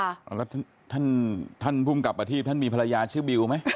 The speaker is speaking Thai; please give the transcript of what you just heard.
แล้วท่านภูมิกับประทีพท่านมีภรรยาชื่อบิวไหม